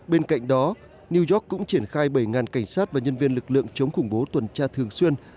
bên cạnh đó new york cũng triển khai bảy cảnh sát và nhân viên lực lượng chống khủng bố tuần tra thường xuyên